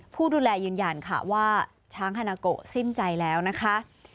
ผู้ดูแลยืนยันค่ะว่าช้างฮานาโกสิ้นใจแล้วนะคะ